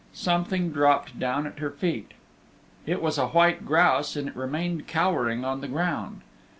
Something dropped down at her feet. It was a white grouse and it remained cowering on the ground.